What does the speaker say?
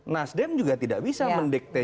nasdem juga tidak bisa mendektek